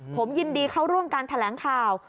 ผมยินดีเข้าร่วมการแถลงข่าว